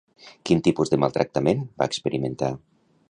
Quin tipus de maltractament va experimentar?